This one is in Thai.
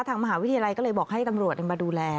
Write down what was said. ทางมหาวิทยาลัยก็เลยบอกให้ตำรวจมาดูแล